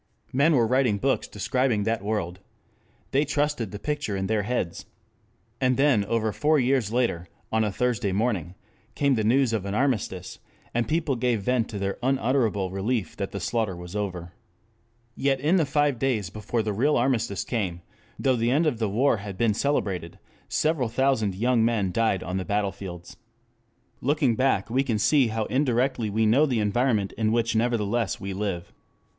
Men were writing books describing that world. They trusted the picture in their heads. And then over four years later, on a Thursday morning, came the news of an armistice, and people gave vent to their unutterable relief that the slaughter was over. Yet in the five days before the real armistice came, though the end of the war had been celebrated, several thousand young men died on the battlefields. Looking back we can see how indirectly we know the environment in which nevertheless we live.